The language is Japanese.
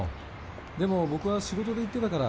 でも僕は仕事で行ってたから。